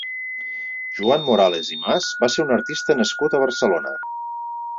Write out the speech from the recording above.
Joan Morales i Mas va ser un artista nascut a Barcelona.